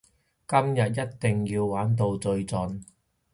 今日一定要玩到最盡！